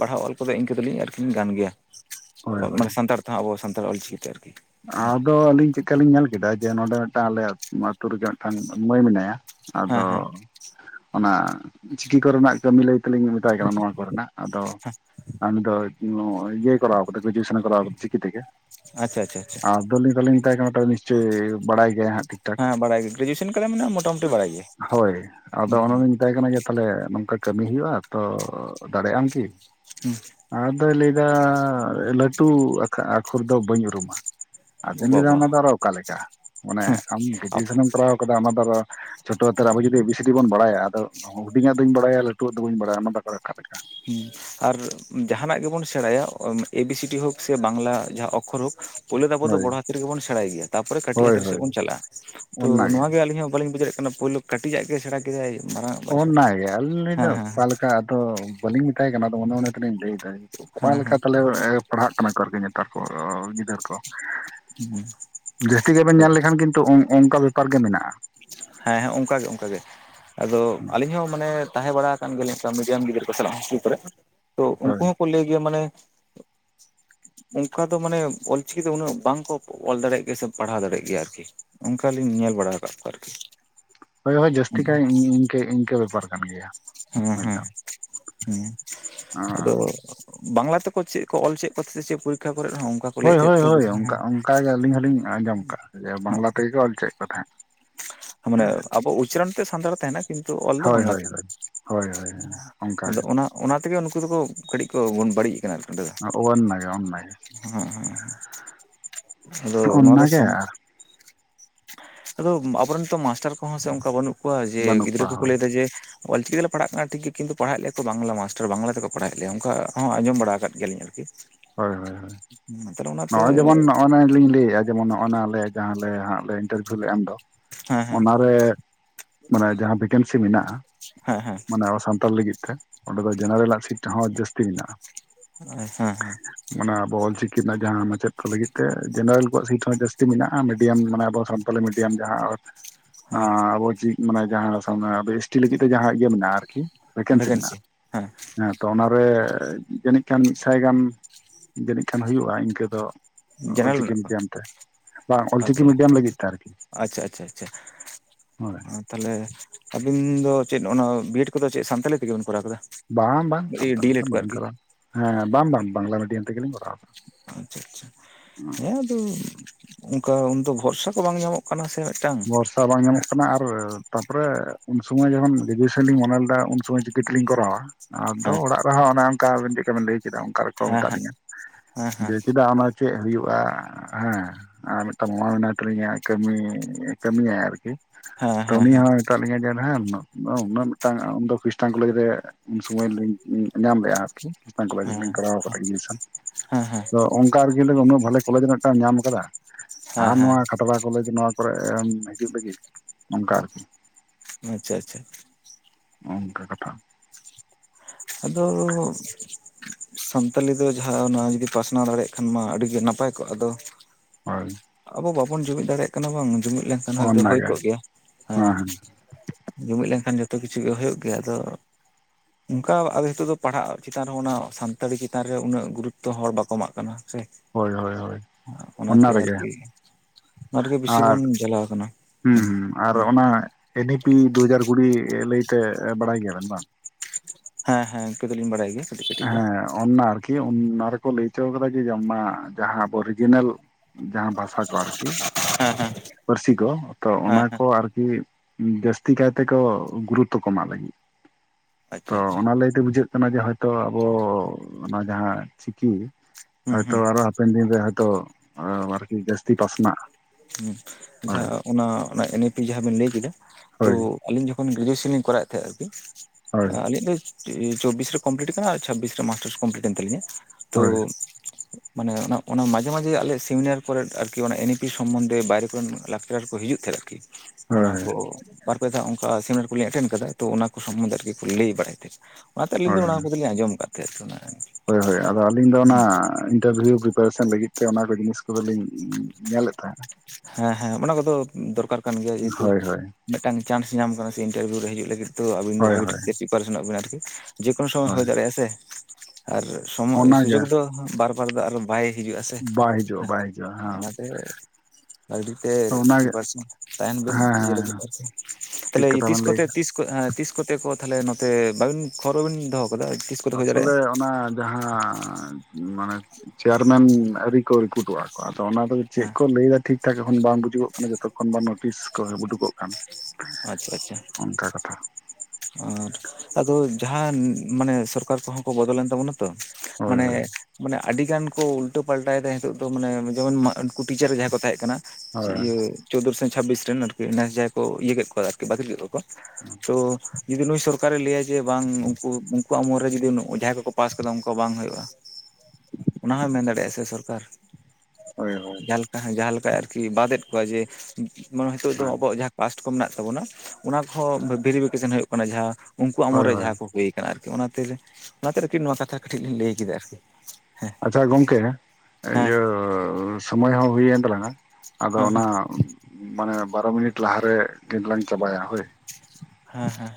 ᱯᱟᱲᱦᱟᱣ ᱚᱞ ᱠᱚᱫ ᱤᱱᱠᱟᱹ ᱫᱚᱞᱤᱧ ᱟᱨᱠᱤ ᱜᱟᱱ ᱜᱮᱭᱟ ᱾ ᱦᱳᱭ ᱚ ᱦᱳᱭ ᱢᱟᱱᱮ ᱥᱟᱱᱛᱟᱲ ᱛᱮᱦᱚᱸ ᱟᱵᱚ, ᱥᱟᱱᱛᱟᱲ ᱚᱞᱪᱤᱠᱤ ᱛᱮ ᱟᱨᱠᱤ ᱾ ᱟᱫᱚ ᱟᱹᱞᱤᱧ ᱪᱮᱫᱠᱟᱞᱤᱧ ᱧᱮᱞ ᱠᱮᱫᱟ ᱡᱮ, ᱱᱚᱸᱰᱮ ᱢᱤᱫᱴᱟᱝ ᱟᱞᱮ ᱟ ᱟᱹᱛᱩ ᱨᱮ ᱜᱮ ᱢᱤᱫᱴᱟᱝ ᱢᱟᱹᱭ ᱢᱮᱱᱟᱭᱟ, ᱟᱫᱚ ᱦᱮᱸ ᱦᱮᱸ ᱚᱱᱟ ᱪᱤᱠᱤ ᱠᱚ ᱨᱮᱱᱟᱜ ᱠᱟᱹᱢᱤ ᱞᱟᱹᱭ ᱛᱮᱞᱤᱧ ᱢᱮᱛᱟᱭ ᱠᱟᱱᱟ ᱱᱚᱣᱟ ᱠᱚᱨᱮᱱᱟᱜ, ᱟᱫᱚ ᱩᱱᱤ ᱫᱚ ᱱᱚ ᱤᱭᱟᱹ ᱠᱚᱨᱟᱣ ᱟᱠᱟᱫᱟ, ᱜᱨᱡᱩᱭᱮᱥᱚᱱ ᱠᱚᱨᱟᱣ ᱠᱟᱫᱟ ᱪᱤᱠᱤ ᱛᱮ ᱜᱮ᱾ ᱟᱪᱪᱷᱟ ᱟᱪᱪᱷᱟ, ᱟᱪᱪᱷᱟ ᱾ ᱟᱫᱚ ᱞᱤᱧ ᱛᱚ ᱞᱤᱧ ᱢᱮᱛᱟᱭ ᱠᱟᱱᱟ, ᱛᱟ ᱱᱤᱥᱪᱚᱭ ᱵᱟᱲᱟᱭ ᱜᱮᱭᱟᱭ ᱦᱟᱸᱜ ᱾ ᱴᱷᱤᱠ ᱴᱷᱟᱠ, ᱦᱮᱸ ᱵᱟᱲᱟᱭ ᱜᱮ ᱜᱨᱮᱡᱩᱭᱮᱥᱚᱱ ᱠᱟᱫᱟ ᱢᱟᱱᱮ ᱢᱚᱴᱟᱢᱩᱴᱤ ᱵᱟᱲᱟᱭ ᱜᱮ ᱦᱳᱭ, ᱟᱫᱚ ᱦᱩᱸ ᱚᱱᱟ ᱦᱩᱸ ᱢᱮᱛᱟᱭ ᱠᱟᱱᱟ ᱡᱮ, ᱛᱟᱦᱚᱞᱮ ᱱᱚᱝᱠᱟ ᱠᱟᱹᱢᱤ ᱦᱩᱭᱩᱜᱼᱟ, ᱛᱚ ᱫᱟᱲᱮᱭᱟᱜ ᱟᱢ ᱠᱤ? ᱦᱩᱸ ᱾ ᱟᱫᱚᱭ ᱞᱟᱹᱭ ᱮᱫᱟ, ᱞᱟᱹᱴᱩ ᱟᱠᱷᱟ ᱚᱠᱷᱚᱨ ᱫᱚ ᱵᱟᱹᱧ ᱩᱨᱩᱢᱟ ᱾ ᱳ ᱟᱫᱚᱧ ᱞᱟᱹᱭᱫᱟ ᱵᱟᱵᱟ ᱚᱱᱟ ᱫᱚ ᱟᱨ ᱚᱠᱟ ᱞᱮᱠᱟ, ᱢᱟᱱᱮ ᱟᱢ ᱜᱨᱮᱡᱩᱭᱮᱥᱚᱱ ᱮᱢ ᱠᱚᱨᱟᱣ ᱟᱠᱟᱫᱟ, ᱚᱱᱟ ᱟᱨᱚ ᱪᱷᱚᱴᱚ ᱦᱟᱛᱮᱨ ᱟᱵᱚ ᱡᱩᱫᱤ ᱮᱵᱤᱥᱤᱰᱤ ᱵᱚᱱ ᱵᱟᱲᱟᱭᱟ, ᱟᱫᱚ ᱦᱩᱰᱤᱧᱟᱜ ᱫᱩᱧ ᱵᱟᱲᱟᱭᱟ, ᱞᱟᱹᱩᱣᱟᱜ ᱫᱚ ᱵᱟᱹ ᱵᱟᱲᱟᱭᱟ ᱾ ᱚᱱᱟ ᱟᱨᱚ ᱚᱠᱟ ᱞᱮᱠᱟ? ᱦᱩᱸ ᱾ ᱟᱨ ᱡᱟᱦᱟᱸᱱᱟᱜ ᱜᱮᱵᱚᱱ ᱥᱮᱬᱟᱭᱟ, ᱮ ᱵᱤ ᱥᱤᱰᱤ ᱦᱳᱠ, ᱥᱮ ᱵᱟᱝᱞᱟ ᱡᱟᱦᱟᱸ ᱚᱠᱠᱷᱚᱨ ᱦᱳᱠ ᱯᱳᱭᱞᱳ ᱫᱚ ᱟᱵᱚ ᱫᱚ ᱦᱳᱭ ᱵᱚᱲᱚ ᱦᱟᱛᱮᱨ ᱜᱮᱵᱚᱱ ᱥᱮᱬᱟᱭ ᱜᱮᱭᱟ, ᱛᱯᱚᱨᱮ ᱠᱟᱹᱴᱤᱡ ᱦᱳᱭ ᱦᱟᱛᱮᱨ ᱥᱮᱫ ᱦᱳᱭ ᱵᱚᱱ ᱪᱟᱞᱟᱜᱼᱟ ᱾ ᱛᱚ ᱚᱱᱟᱜᱮ ᱱᱚᱣᱟ ᱜᱮ ᱟᱹᱞᱤᱧ ᱦᱚᱸ ᱵᱟᱹᱞᱤᱧ ᱵᱩᱡᱷᱟᱣ ᱫᱟᱲᱮᱭᱟᱜ ᱠᱟᱱᱟ, ᱯᱳᱭᱞᱳ ᱠᱟᱹᱴᱤᱡᱟᱜ ᱜᱮ ᱥᱮᱲᱟ ᱥᱮᱲᱟᱭ ᱢᱟᱨᱟᱝ ᱟᱜ [unintelligible] ᱾ ᱦᱮᱸ ᱦᱮᱸ ᱾ ᱛᱚ, ᱵᱟᱹᱞᱤᱧ ᱢᱮᱛᱟᱭ ᱠᱟᱱᱟ, ᱟᱫᱚ ᱢᱚᱱᱮ ᱢᱚᱱᱮ ᱛᱮᱞᱤᱧ ᱞᱟᱹᱭᱮᱫᱟ, ᱦᱮᱸ ᱚᱠᱟ ᱦᱮᱸ ᱦᱮᱸ ᱞᱮᱠᱟ ᱛᱟᱦᱚᱞᱮ ᱚ ᱯᱟᱲᱦᱟᱜ ᱠᱟᱱᱟ ᱠᱚ, ᱟᱨᱠᱤ ᱱᱮᱛᱟᱨ ᱠᱚ ᱜᱤᱫᱟᱹᱨ ᱠᱚ ᱦᱩᱸ ᱾ ᱡᱟᱹᱥᱛᱤ ᱜᱮᱵᱮᱱ ᱟᱫᱚ ᱧᱮᱞ ᱞᱮᱠᱷᱟᱱ ᱠᱤᱱᱛᱩ ᱛᱚ ᱚᱱ ᱚᱱᱠᱟ ᱵᱮᱯᱟᱨ ᱜᱮ ᱢᱮᱱᱟᱜᱼᱟ ᱾ ᱦᱮᱸ ᱦᱮᱸ ᱚᱱᱠᱟ ᱜᱮ ᱚᱱᱠᱟ ᱜᱮ, ᱟᱫᱚ ᱟᱹᱞᱤᱧ ᱦᱚᱸ ᱢᱟᱱᱮ ᱛᱟᱦᱮᱸ ᱵᱟᱲᱟ ᱟᱢ ᱜᱮ ᱞᱟᱹᱭ ᱛᱟᱞᱟᱝ ᱢᱮ, ᱟᱢ ᱜᱤᱫᱽᱨᱟᱹ ᱠᱚ ᱥᱟᱞᱟᱜ ᱦᱚᱸ ᱤᱥᱠᱩᱞ ᱠᱚᱨᱮ ᱛᱚ ᱩᱱᱠᱩ ᱦᱳᱭ ᱦᱚᱸᱠᱚ ᱞᱟᱹᱭ ᱜᱮᱭᱟ, ᱢᱟᱱᱮ ᱚᱱᱠᱟ ᱫᱚ ᱢᱟᱱᱮ, ᱚᱞᱪᱤᱠᱤ ᱫᱚ ᱩᱱᱟᱹᱜ ᱵᱟᱝᱠᱚ ᱚᱞ ᱫᱟᱲᱮᱭᱟᱜ ᱜᱮᱭᱟ ᱥᱮ, ᱯᱟᱲᱦᱟᱣ ᱫᱟᱲᱮᱭᱟᱜ ᱜᱮᱭᱟ ᱟᱨᱠᱤ᱾ ᱚᱱᱠᱟ ᱞᱤᱧ ᱧᱮᱞ ᱵᱟᱲᱟ ᱟᱠᱟᱜ ᱠᱚᱣᱟ ᱟᱨᱠᱤ᱾ ᱦᱳᱭ ᱦᱳᱭ ᱡᱟᱹᱥᱛᱤ ᱠᱟᱭ ᱦᱮᱸ ᱤᱱ ᱤᱱᱠᱟᱹ ᱤᱱᱠᱟᱹ ᱵᱮᱯᱟᱨ ᱠᱟᱱ ᱜᱮᱭᱟ ᱵᱩᱡᱽ ᱦᱮᱸ ᱫᱟᱢ᱾ ᱦᱮᱸ ᱟᱫᱚ ᱵᱟᱝᱞᱟ ᱛᱮᱠᱚ ᱪᱮᱫ ᱠᱚ ᱚᱞ ᱪᱚᱭᱮ ᱠᱚ ᱛᱟᱦᱮᱱ ᱪᱮᱫ ᱯᱚᱨᱤᱠᱷᱟ ᱠᱚᱨᱮᱦᱚᱸ ᱚᱱᱠᱟ? ᱠᱚ ᱦᱳᱭ ᱞᱟᱹᱭᱮᱫ ᱦᱳᱭ ᱛᱟᱦᱮᱸᱫ ᱦᱳᱭ ᱜᱤᱫᱽᱨᱟᱹ ᱚᱱᱠᱟ ᱚᱱᱠᱟ ᱜᱮ ᱟᱹᱞᱤᱧ ᱦᱚᱞᱤᱧ ᱟᱸᱡᱚᱢ ᱟᱠᱟᱜᱼᱟ, ᱡᱮ ᱵᱟᱝᱞᱟ ᱛᱮᱜᱮ ᱠᱚ ᱚᱞᱪᱚᱭᱮᱫ ᱠᱚ ᱛᱟᱦᱮᱸᱫ ᱾ ᱢᱟᱱᱮ ᱟᱵᱚ ᱩᱪᱨᱟᱹᱱ ᱛᱮᱫ ᱥᱟᱱᱛᱟᱲ ᱛᱟᱦᱮᱱᱟ᱾ ᱠᱤᱱᱛᱩ ᱚᱞ ᱫᱚ ᱦᱳᱭ ᱦᱳᱭ ᱵᱟᱝᱞᱟᱛᱮ, ᱦᱳᱭ ᱦᱳᱭ ᱦᱳᱭ ᱟᱫᱚ ᱚᱱᱠᱟᱜᱮ ᱚᱱᱟ ᱚᱱᱟ ᱛᱮᱜᱮ ᱩᱱᱠᱩ ᱫᱚᱠᱚ ᱠᱟᱹᱴᱤᱡ ᱠᱚ ᱵᱚᱱ ᱵᱟᱹᱲᱤᱡ ᱟᱠᱟᱱᱟ ᱚᱱᱰᱮ ᱫᱚ᱾ [inaudible] ᱦᱮᱸ ᱦᱮᱸ ᱟᱫᱚ ᱱᱚᱣᱟ ᱫᱚ ᱚᱱᱟᱜᱮ ᱥᱟᱢ ᱟᱨ ᱟᱫᱚ ᱟᱵᱚᱨᱮᱱ ᱛᱚ ᱢᱟᱥᱴᱟᱨ ᱠᱚ ᱦᱚᱸ ᱥᱮ ᱚᱱᱠᱟ ᱵᱟᱹᱱᱩᱜ ᱠᱚᱣᱟ ᱡᱮ ᱵᱟᱹᱱᱩᱜ ᱜᱤᱫᱽᱨᱟᱹ ᱠᱚᱣᱟ ᱠᱚᱠᱚ ᱦᱳᱭ ᱞᱟᱹᱭ ᱮᱫᱟ ᱡᱮ ᱚᱞᱪᱤᱠᱤ ᱛᱮᱞᱮ ᱯᱟᱲᱦᱟᱜ ᱠᱟᱱᱟ ᱴᱷᱤᱠ ᱜᱮ, ᱠᱤᱱᱛᱩ ᱯᱟᱲᱦᱟᱣᱮᱫ ᱞᱮᱭᱟ ᱠᱚ ᱵᱟᱝᱞᱟ ᱢᱟᱥᱴᱟᱨ ᱵᱟᱝᱞᱟ ᱛᱮᱠᱚ ᱯᱟᱲᱦᱟᱣᱮᱫ ᱞᱮᱭᱟ᱾ ᱚᱱᱠᱟ ᱦᱚᱸ ᱟᱸᱡᱚᱢ ᱵᱟᱲᱟ ᱟᱠᱟᱜ ᱜᱮᱭᱟᱞᱤᱧ ᱟᱨᱠᱤ ᱾ ᱦᱳᱭ ᱦᱳᱭ ᱦᱳᱭ, ᱱᱚᱜᱼᱚᱭ ᱡᱮᱢᱚᱱ ᱱᱚᱜ ᱱᱟᱞᱤᱧ ᱞᱟᱹᱭᱮᱜᱼᱟ ᱡᱮᱢᱚᱱ ᱱᱚᱜᱼᱱᱟ ᱟᱞᱮ ᱡᱟᱦᱟᱸ ᱞᱮ ᱦᱟᱸᱜ ᱞᱮ ᱤᱱᱴᱟᱹᱨᱵᱷᱤᱭᱩ ᱞᱮ ᱮᱢ ᱫᱚ ᱦᱮᱸ ᱦᱮᱸ ᱚᱱᱟᱨᱮ ᱢᱟᱱᱮ ᱡᱟᱦᱟᱸ ᱵᱷᱮᱠᱮᱱᱥᱤ ᱢᱮᱱᱟᱜᱼᱟ ᱦᱮᱸ ᱦᱮᱸ ᱢᱟᱱᱮ ᱟᱵᱚ ᱥᱟᱱᱛᱟᱲ ᱞᱟᱹᱜᱤᱫ ᱛᱮ ᱚᱸᱰᱮ ᱫᱚ ᱡᱮᱱᱟᱨᱮᱞᱟᱜ ᱥᱤᱴ ᱦᱚᱸ ᱡᱟᱹᱥᱛᱤ ᱦᱮᱱᱟᱜ-ᱟ ᱾ ᱦᱮᱸ ᱦᱮᱸ᱾ ᱚᱱᱟ ᱟᱵᱚ ᱚᱞᱪᱤᱠᱤ ᱨᱮᱱᱟᱜ ᱡᱟᱦᱟᱸ ᱢᱟᱪᱮᱫ ᱠᱚ ᱞᱟᱹᱜᱤᱫ ᱛᱮ ᱡᱮᱱᱟᱨᱮᱞ ᱠᱚᱣᱟᱜ ᱥᱤᱴ ᱦᱚᱸ ᱡᱟᱹᱥᱛᱤ ᱢᱮᱱᱟᱜᱼᱟ, ᱢᱤᱰᱤᱭᱟᱢ ᱢᱟᱱᱮ ᱟᱵᱚ ᱥᱟᱱ ᱥᱟᱱᱛᱟᱞᱤ ᱢᱤᱰᱤᱭᱟᱢ ᱡᱟᱦᱟᱸ ᱟᱨ ᱟᱻ ᱦᱮᱸ ᱟᱵᱚᱣᱟᱜ ᱪᱤᱠ ᱢᱟᱱᱮ ᱡᱟᱦᱟᱸ ᱥᱟᱢᱱᱮ ᱮᱥᱴᱤ ᱞᱟᱹᱜᱤᱫ ᱛᱮ ᱡᱟᱦᱟᱸ ᱤᱭᱟᱹ ᱢᱮᱱᱟᱜᱼᱟ ᱟᱨᱠᱤ ᱵᱷᱮᱠᱮᱱᱥᱤ ᱢᱮᱱᱟᱜᱼᱟ, ᱛᱚ ᱚᱱᱟᱨᱮ ᱡᱟᱹᱱᱤᱡ ᱠᱷᱟᱱ ᱢᱤᱫ ᱥᱟᱭ ᱜᱟᱱ ᱡᱟᱹᱱᱤᱡ ᱠᱷᱟᱱ ᱦᱩᱭᱩᱜᱼᱟ ᱤᱱᱠᱟᱹ ᱫᱚ ᱾ ᱡᱮᱱᱟᱨᱮᱞ ᱚᱞᱪᱤᱠᱤ ᱢᱮᱱᱟᱜ ᱠᱚᱣᱟ ᱢᱤᱰᱤᱭᱟᱢ ᱛᱮ? ᱵᱟᱝ ᱚᱞᱪᱤᱠᱤ ᱟᱪᱪᱷᱟ ᱢᱤᱰᱤᱭᱟᱢ ᱞᱟᱹᱜᱤᱫ ᱛᱮ ᱟᱨᱠᱤ ᱾ ᱦᱳᱭ ᱾ ᱟᱨ ᱛᱟᱦᱚᱞᱮ ᱟᱵᱤᱱ ᱫᱚ ᱪᱮᱫ ᱚᱱᱟ ᱵᱤᱭᱮᱰ ᱠᱚᱫᱚ ᱪᱮᱫ ᱥᱟᱱᱛᱟᱞᱤ ᱛᱮᱜᱮ ᱵᱮᱱ ᱠᱚᱨᱟᱣ ᱟᱠᱟᱫᱟ? ᱵᱟᱝ ᱵᱟᱝ ᱥᱟᱱᱛᱟᱲ ᱛᱮᱫᱚ ᱵᱟᱹᱞᱤᱧ ᱠᱚᱨᱟᱣ, ᱦᱮᱸ ᱵᱟᱝ ᱵᱟᱝ ᱵᱟᱝᱞᱟ ᱢᱤᱰᱤᱭᱟᱢ ᱛᱮᱜᱮᱞᱤᱧ ᱠᱚᱨᱟᱣᱜ-ᱟ᱾ ᱟᱪᱪᱷᱟ ᱟᱪᱪᱷᱟ ᱦᱮᱸ ᱟᱫᱚ ᱚᱱᱠᱟ ᱩᱱ ᱫᱚ ᱵᱷᱚᱨᱥᱟ ᱠᱚ ᱵᱟᱝ ᱧᱟᱢᱚᱜ ᱠᱟᱱᱟ ᱥᱮ ᱢᱤᱫᱴᱟᱝ ᱾ ᱵᱷᱚᱨᱥᱟ ᱵᱟᱝ ᱧᱟᱢᱚᱜ ᱠᱟᱱᱟ ᱟᱨ ᱛᱟᱯᱚᱨᱮ ᱩᱱᱥᱩᱢᱚᱭ ᱡᱮᱢᱚᱱ ᱜᱮᱡᱩᱭᱮᱥᱚᱱ ᱞᱤᱧ ᱢᱚᱱᱮ ᱞᱮᱫᱟ ᱩᱱ ᱥᱩᱢᱚᱭ ᱪᱤᱠᱤ ᱛᱮᱞᱤᱧ ᱠᱚᱨᱟᱣᱟ᱾ ᱟᱫᱚ ᱦᱮᱸ ᱚᱲᱟᱜ ᱨᱮᱦᱚᱸ ᱚᱱᱮ ᱚᱱᱠᱟ ᱟᱵᱮᱱ ᱪᱮᱫ ᱞᱮᱠᱟ ᱵᱮᱱ ᱞᱟᱹᱭ ᱠᱮᱫᱟ ᱚᱱᱠᱟ ᱜᱮᱠᱚ ᱦᱮᱸ ᱢᱮᱛᱟᱜ ᱦᱮᱸ ᱞᱤᱧᱟᱹ᱾ ᱦᱮᱸ ᱡᱮ ᱦᱮᱸ ᱪᱮᱫᱟᱜ ᱚᱱᱟ ᱪᱮᱫ ᱦᱩᱭᱩᱜᱼᱟ᱾ ᱦᱮᱸ ᱟᱨ ᱢᱤᱫᱴᱟᱝ ᱢᱟᱢᱟ ᱢᱮᱱᱟᱭ ᱛᱟᱞᱤᱧᱟ ᱠᱟᱹᱢᱤ ᱠᱟᱹᱢᱤᱭᱟ ᱟᱨᱠᱤ, ᱛᱚ ᱦᱮᱸ ᱦᱮᱸ ᱩᱱᱤ ᱦᱮᱸ ᱦᱚᱸᱭ ᱢᱮᱛᱟᱜ ᱞᱤᱧᱟᱹ ᱡᱮ ᱱᱟᱢ ᱩᱱᱟᱹᱜ ᱢᱤᱫᱴᱟᱝ ᱟᱢ ᱫᱚ ᱠᱨᱤᱥᱴᱟᱱ ᱠᱚᱞᱮᱡᱽ ᱨᱮ ᱩᱱ ᱥᱚᱢᱚᱭ ᱨᱮᱞᱤᱧ ᱧᱟᱢ ᱞᱮᱜᱼᱟ ᱟᱨᱠᱤ ᱾ ᱠᱤᱥᱛᱟᱱ ᱠᱚᱞᱮᱡ ᱨᱮᱞᱤᱧ ᱦᱮᱸ ᱠᱚᱨᱟᱣ ᱟᱠᱟᱫᱟ ᱮᱰᱢᱤᱥᱚᱱ᱾ ᱦᱮᱸ ᱦᱮᱸ ᱦᱮᱸ ᱛᱚ ᱚᱱᱠᱟ ᱨᱮᱜᱤ [inaudible] ᱩᱱᱟᱹᱜ ᱵᱷᱟᱞᱮ ᱠᱚᱞᱮᱡᱽ ᱨᱮ ᱴᱟᱢ ᱧᱟᱢ ᱟᱠᱟᱫᱟ᱾ ᱟᱢ ᱦᱮᱸ ᱱᱚᱣᱟ ᱠᱷᱟᱛᱨᱟ ᱠᱚᱞᱮᱡ ᱱᱚᱣᱟ ᱠᱚᱨᱮ ᱮᱢ ᱦᱤᱡᱩᱜ ᱞᱟᱹᱜᱤᱫ ᱚᱱᱠᱟ ᱟᱨᱠᱤ᱾ ᱟᱪᱪᱷᱟ ᱟᱪᱪᱷᱟ᱾ ᱱᱚᱝᱠᱟ ᱠᱟᱛᱷᱟ᱾ ᱟᱫᱚ ᱥᱟᱱᱛᱟᱞᱤ ᱫᱚ ᱡᱟᱦᱟᱸ ᱚᱱᱟ ᱡᱩᱫᱤ ᱯᱟᱥᱱᱟᱣ ᱫᱟᱲᱮᱭᱟᱜ ᱠᱷᱟᱱ ᱢᱟ ᱟᱹᱰᱤᱜᱮ ᱱᱟᱯᱟᱭ ᱠᱚᱜᱼᱟ᱾ ᱟᱫᱚ ᱦᱳᱭ ᱾ ᱟᱵᱚ ᱵᱟᱵᱚᱱ ᱡᱩᱢᱤᱫ ᱫᱟᱲᱮᱭᱟᱜ ᱠᱟᱱᱟ ᱵᱟᱝ, ᱡᱩᱢᱤᱫ ᱞᱮᱱᱠᱷᱟᱱ ᱦᱚᱭ ᱛᱚ ᱦᱩᱭ ᱚᱱᱟᱜᱮ ᱠᱚᱜ ᱜᱮᱭᱟ ᱾ ᱦᱮᱸ᱾ ᱡᱩᱢᱤᱫ ᱞᱮᱱᱠᱷᱟᱱ ᱡᱚᱛᱚ ᱠᱤᱪᱷᱩ ᱜᱮ ᱦᱩᱭᱩᱜ ᱜᱮᱭᱟ ᱾ ᱟᱫᱚ ᱚᱱᱠᱟ ᱟᱫᱚ ᱱᱤᱛᱚᱜ ᱫᱚ ᱯᱟᱲᱦᱟᱜ ᱪᱮᱛᱟᱱ ᱨᱮᱦᱚᱸ ᱚᱱᱟ ᱥᱟᱱᱛᱟᱞᱤ ᱪᱮᱛᱟᱱ ᱨᱮ ᱩᱱᱟᱹᱜ ᱜᱩᱨᱤᱛᱚ ᱦᱚᱲ ᱵᱟᱠᱚ ᱮᱢᱟᱜ ᱠᱟᱱᱟ ᱥᱮ ᱾ ᱦᱳᱭ ᱦᱳᱭ ᱦᱳᱭ ᱚᱱᱟ ᱨᱮᱜᱮ ᱾ ᱚᱱᱟ ᱨᱮᱜᱮ ᱵᱮᱥᱤ ᱵᱚᱱ ᱡᱟᱞᱟ ᱠᱟᱱᱟ᱾ ᱦᱩᱸ ᱟᱨ ᱚᱱᱟ ᱮ ᱰᱤ ᱯᱤ ᱫᱩᱦᱟᱟᱡᱟᱨ ᱠᱩᱲᱤ ᱞᱟᱹᱭᱛᱮ ᱵᱟᱰᱟᱭ ᱜᱮᱭᱟ ᱵᱮᱱ ᱵᱟᱝ? ᱦᱮᱸ ᱦᱮᱸ ᱤᱱᱠᱟᱹ ᱫᱚᱞᱤᱧ ᱵᱟᱰᱟᱭ ᱜᱮᱭᱟ᱾ ᱠᱟᱹᱴᱤᱡ ᱠᱟᱹᱴᱤᱡ ᱫᱚ ᱦᱮᱸ ᱚᱱᱟ ᱟᱨᱠᱤ ᱚᱱᱟ ᱨᱮᱠᱚ ᱞᱟᱹᱭ ᱦᱚᱪᱚ ᱠᱟᱫᱟ ᱡᱮ ᱚᱱᱟ ᱡᱟᱦᱟᱸ ᱟᱵᱚ ᱨᱤᱡᱤᱱᱟᱹᱞ ᱡᱟᱦᱟᱸ ᱵᱷᱟᱥᱟ ᱠᱚ ᱟᱨᱠᱤ ᱦᱮᱸ ᱦᱮᱸ ᱯᱟᱹᱨᱥᱤ ᱠᱚ, ᱛᱚ ᱚᱱᱟ ᱦᱮᱸ ᱦᱮᱸ ᱠᱚ ᱟᱨᱠᱤ ᱡᱟᱹᱥᱛᱤ ᱠᱟᱭ ᱛᱮᱠᱚ ᱜᱩᱨᱩᱛᱛᱚ ᱠᱚ ᱮᱢᱟᱜ ᱞᱟᱹᱜᱤᱫ, ᱟᱪᱪᱷᱟ ᱛᱚ ᱟᱪᱪᱷᱟ ᱚᱱᱟ ᱞᱟᱹᱭ ᱛᱮ ᱵᱩᱡᱷᱟᱹᱜ ᱠᱟᱱᱟ ᱡᱮ ᱦᱚᱭᱛᱳ ᱟᱵᱚᱻ ᱚᱱᱟ ᱡᱟᱦᱟᱸ ᱪᱤᱠᱤ ᱦᱩᱸ ᱦᱚᱭᱛᱚ ᱦᱩᱸ ᱟᱨᱚ ᱦᱟᱯᱮᱱ ᱫᱤᱱ ᱨᱮ ᱦᱚᱭᱛᱚ ᱟᱨᱠᱤ ᱡᱟᱹᱥᱛᱤ ᱯᱟᱥᱱᱟᱜ-ᱟ᱾ ᱦᱩᱸ ᱡᱟ ᱚᱱᱟ ᱚᱱᱟ ᱮᱱᱤ ᱯᱤ ᱡᱟᱦᱟᱸ ᱵᱮᱱ ᱞᱟᱹᱭ ᱠᱮᱫᱟ ᱛᱳ ᱦᱳᱭ ᱟᱞᱤᱧ ᱡᱚᱠᱷᱚᱱ ᱜᱨᱮᱡᱩᱭᱮᱥᱚᱱ ᱞᱤᱧ ᱠᱚᱨᱟᱣᱮᱫ ᱛᱟᱦᱮᱸᱜ ᱟᱨᱠᱤ ᱦᱳᱭ ᱟᱹᱞᱤᱧ ᱫᱚ ᱪᱚᱵᱽᱵᱤᱥ ᱨᱮ ᱠᱚᱢᱯᱞᱤᱴ ᱠᱟᱱᱟ ᱟᱨ ᱪᱷᱟᱵᱤᱥ ᱨᱮ ᱢᱟᱥᱴᱟᱨᱥ ᱠᱚᱢᱯᱞᱤᱴ ᱮᱱ ᱛᱟᱞᱤᱧᱟ᱾ ᱛᱳᱻ ᱦᱳᱭ ᱢᱟᱱᱮ ᱚᱱᱟ ᱚᱱᱟ ᱢᱟᱡᱷᱮ ᱢᱟᱡᱷᱮ ᱟᱞᱮ ᱥᱮᱢᱤᱱᱟᱹᱠ ᱠᱚᱨᱮᱫ ᱟᱨᱠᱤ ᱚᱱᱟ ᱮᱱ ᱮ ᱯᱤ ᱥᱚᱢᱵᱚᱱᱫᱷᱮ ᱵᱟᱭᱨᱮ ᱠᱚᱨᱮᱱ ᱞᱟᱹᱠ ᱥᱮᱨ ᱠᱚ ᱦᱤᱡᱩᱜ ᱛᱟᱦᱮᱸ ᱟᱨᱠᱤ ᱚᱱᱟ ᱦᱳᱭ ᱠᱚᱻ ᱵᱟᱨᱯᱮ ᱫᱷᱟᱣ ᱚᱱᱠᱟ ᱥᱮᱢᱤᱱᱟᱨ ᱠᱚᱞᱤᱧ ᱮᱴᱮᱱ ᱠᱟᱫᱟ, ᱛᱚ ᱚᱱᱟ ᱠᱚ ᱥᱚᱢᱚᱱᱫᱷᱮ ᱟᱨᱠᱤᱧ ᱠᱚ ᱞᱟᱹᱭ ᱵᱟᱲᱟᱭ ᱛᱟᱦᱮᱸᱜ ᱾ ᱦᱳᱭ ᱦᱩᱸ ᱦᱳᱭ, ᱦᱳᱭ ᱟᱫᱚ ᱟᱹᱞᱤᱧ ᱫᱚ ᱚᱱᱟᱻ ᱤᱱᱴᱟᱨᱵᱷᱤᱭᱩ ᱯᱨᱤᱯᱟᱨᱮᱥᱚᱱ ᱞᱟᱹᱜᱤᱫ ᱛᱮ ᱠᱚ ᱡᱤᱱᱤᱥ ᱠᱚᱫᱚ ᱞᱤᱧᱻ ᱧᱮᱞᱮᱫ ᱛᱟᱦᱮᱸᱱᱟ᱾ ᱦᱮᱸ ᱦᱮᱸ ᱚᱱᱟ ᱠᱚᱫᱚ ᱫᱚᱨᱠᱟᱨ ᱠᱟᱱ ᱜᱮᱭᱟ ᱡᱮᱦᱮᱛᱩ ᱦᱳᱭ ᱦᱳᱭ ᱢᱤᱫᱴᱟᱝ ᱪᱟᱱᱥ ᱧᱟᱢ ᱠᱟᱱᱟ ᱥᱮ ᱤᱱᱴᱟᱨᱵᱷᱤᱭᱩ ᱨᱮ ᱦᱤᱡᱩᱜ ᱞᱟᱹᱜᱤᱫ ᱛᱳ ᱟᱹᱵᱤᱱ ᱫᱚ ᱦᱳᱭ ᱵᱷᱟᱹᱜᱤ ᱴᱷᱤᱠ ᱦᱳᱭ ᱛᱮ ᱯᱨᱤᱯᱟᱨᱮᱥᱚᱱᱚᱜ ᱵᱤᱱ ᱟᱨᱠᱤ᱾ ᱡᱮᱠᱳᱱᱳ ᱥᱚᱢᱚᱭ ᱦᱳᱭ ᱦᱩᱭ ᱫᱟᱲᱮᱭᱟᱜᱼᱟ ᱥᱮ, ᱟᱨ ᱥᱚᱢᱚ ᱚᱱᱟᱜᱮ ᱥᱩᱡᱳᱜᱽ ᱫᱚ ᱵᱟᱨ ᱵᱟᱨ ᱫᱚ ᱟᱨ ᱵᱟᱭ ᱦᱤᱡᱩᱜ-ᱟ ᱥᱮ ᱵᱟᱭ ᱦᱤᱡᱩᱜᱼᱟ ᱵᱟᱭ ᱦᱤᱡᱩᱜᱼᱟ ᱦᱮᱸ ᱚᱱᱟᱛᱮᱻ ᱟᱰᱤ ᱛᱮ ᱚᱱᱟᱜᱮ ᱯᱤᱯᱟᱨᱥᱮᱱ ᱛᱟᱦᱮᱱ ᱵᱮᱱ ᱦᱮᱸ ᱤᱭᱟᱹ ᱞᱟᱹᱜᱤᱫ ᱦᱮᱸ ᱟᱨᱠᱤ ᱛᱟᱦᱚᱞᱮ ᱴᱷᱤᱠ ᱠᱟᱛᱷᱟ ᱛᱤᱥ ᱵᱮᱱ ᱞᱟᱹᱭ ᱠᱚᱛᱮ ᱠᱟᱜ ᱛᱤᱥ ᱮᱹ ᱛᱤᱥ ᱠᱚᱛᱮ ᱠᱚ ᱛᱟᱦᱚᱞᱮ ᱱᱚᱛᱮᱻ ᱵᱟᱵᱤᱱ ᱠᱷᱚᱨᱟᱚᱵᱤᱱ ᱫᱚᱦᱚ ᱠᱟᱫᱟ ᱛᱤᱥ ᱠᱚᱛᱮ ᱦᱩᱭ ᱫᱟᱲᱮᱭᱟᱜᱼᱟ? ᱟᱥᱚᱞᱮ ᱚᱱᱟ ᱡᱟᱦᱟᱸᱻ ᱢᱟᱱᱮ ᱪᱮᱭᱟᱨᱢᱮᱱ ᱟᱹᱨᱤ ᱠᱚ ᱨᱤᱠᱩᱴᱚᱜᱼᱟ᱾ ᱟᱫᱚ ᱚᱱᱟ ᱫᱚ ᱪᱮᱫ ᱦᱮᱸ ᱠᱚ ᱞᱟᱹᱭᱮᱫᱟ ᱴᱷᱤᱠ ᱴᱷᱟᱠ ᱮᱠᱷᱚᱱ ᱵᱟᱝ ᱵᱩᱡᱩᱜᱚᱜ ᱠᱟᱱᱟ ᱡᱚᱛᱚ ᱠᱷᱚᱱ ᱵᱟᱝ ᱱᱳᱴᱤᱥ ᱠᱚ ᱩᱰᱩᱠᱚᱜ ᱠᱟᱱ᱾ ᱟᱪᱪᱷᱟ ᱟᱪᱪᱷᱟ᱾ ᱚᱱᱠᱟ ᱠᱟᱛᱷᱟ ᱟᱨ ᱟᱫᱚ ᱡᱟᱦᱟᱸ ᱢᱟᱱᱮ ᱥᱚᱨᱠᱟᱨ ᱠᱚᱦᱚᱸ ᱠᱚ ᱵᱚᱫᱚᱞᱮᱱ ᱛᱟᱵᱚᱱᱟ ᱛᱚ ᱦᱳᱭ ᱢᱟᱱᱮᱻ ᱦᱳᱭ ᱢᱟᱱᱮ ᱟᱹᱰᱤ ᱜᱟᱱ ᱠᱚ ᱩᱞᱴᱟᱹ ᱯᱟᱞᱴᱟᱭᱫᱟ ᱱᱤᱛᱚᱜ ᱫᱚ ᱢᱟᱱᱮ ᱡᱮᱢᱚᱱ ᱢᱟᱜ ᱱᱩᱠᱩ ᱴᱤᱪᱟᱨᱮ ᱡᱟᱦᱟᱸᱭ ᱠᱚ ᱛᱟᱦᱮᱸᱜ ᱠᱟᱱᱟ ᱦᱳᱭ ᱤᱭᱟᱹ ᱦᱳᱭ ᱪᱳᱫᱽᱫᱳ ᱥᱮᱱ ᱪᱷᱟᱵᱵᱤᱥ ᱨᱮᱱ ᱟᱨᱠᱤ ᱱᱮᱥ ᱡᱟᱦᱟᱭ ᱠᱚ ᱤᱭᱟᱹ ᱠᱮᱜ ᱠᱚᱣᱟ ᱟᱨᱠᱤ ᱵᱟᱛᱤᱞ ᱠᱮᱜ ᱠᱚᱣᱟ ᱛᱚ ᱡᱩᱫᱤ ᱱᱩᱭ ᱥᱚᱨᱠᱟᱨᱮ ᱞᱟᱹᱭᱟ ᱡᱮ ᱵᱟᱝ ᱩᱱᱠᱩ ᱩᱱᱠᱩ ᱩᱣᱟᱜ ᱩᱢᱟᱹᱨ ᱨᱮ ᱡᱩᱫᱤ ᱱᱚᱜ-ᱚᱭ ᱡᱟᱦᱟᱸᱭ ᱠᱚᱠᱚ ᱯᱟᱥ ᱠᱟᱫᱟ ᱚᱝᱠᱟ ᱵᱟᱝ ᱦᱩᱭᱩᱜᱼᱟ ᱚᱱᱟ ᱦᱚᱸᱭ ᱢᱮᱱ ᱫᱟᱲᱮᱭᱟᱜᱼᱟ ᱥᱮ ᱥᱚᱨᱠᱟᱨ᱾ ᱦᱳᱭ ᱡᱟᱦᱟᱸᱞᱮᱠᱟ ᱡᱟᱦᱟᱸᱞᱮᱠᱟᱭ ᱟᱨᱠᱤ ᱵᱟᱫ ᱮᱫ ᱠᱚᱣᱟᱭ ᱡᱮ ᱢᱟᱱᱮ ᱦᱤᱛᱳᱜ ᱫᱚ ᱦᱮᱸ ᱟᱵᱚᱣᱟᱜ ᱡᱟᱦᱟᱸ ᱯᱟᱥᱴ ᱠᱚ ᱢᱮᱱᱟᱜ ᱛᱟᱵᱚᱱᱟ ᱚᱱᱟ ᱠᱚᱦᱚᱸ ᱵᱷᱮᱨᱤᱯᱷᱤᱠᱮᱥᱚᱱ ᱦᱩᱭᱩᱜ ᱠᱟᱱᱟ ᱡᱟᱦᱟᱸ ᱩᱱᱠᱩ ᱟᱢᱚᱨ ᱦᱳᱭ ᱨᱮ ᱡᱟᱦᱟᱸ ᱦᱳᱭ ᱠᱚ ᱦᱩᱭ ᱟᱨᱠᱤ ᱚᱱᱟᱛᱞᱮ ᱚᱱᱟᱛᱮ, ᱟᱨᱠᱤ ᱱᱚᱣᱟ ᱠᱟᱛᱷᱟ ᱠᱟᱹᱴᱤᱡ ᱞᱤᱧ ᱞᱟᱹᱭ ᱠᱮᱫᱟ ᱟᱨᱠᱤ᱾ ᱦᱮᱸ ᱟᱪᱪᱷᱟ ᱜᱚᱝᱠᱮ ᱦᱮᱸ ᱦᱮᱸ ᱤᱭᱟᱹᱻ ᱥᱚᱢᱚᱭ ᱦᱚᱸ ᱦᱩᱭᱮᱱ ᱛᱟᱞᱟᱝᱼᱟ᱾ ᱟᱫᱚ ᱦᱮᱸ ᱚᱱᱟ ᱢᱟᱱᱮ ᱵᱟᱨᱚ ᱢᱤᱱᱤᱴ ᱞᱟᱦᱟᱨᱮ ᱴᱮᱰ ᱞᱟᱝ ᱪᱟᱵᱟᱭᱟ ᱦᱳᱭ᱾ ᱦᱮᱸ ᱦᱮᱸ᱾